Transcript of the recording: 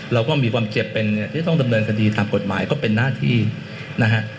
เราก็มีความเจ็บเป็นเนี่ยที่จะต้องดำเนินคดีตามกฎหมายก็เป็นหน้าที่นะฮะ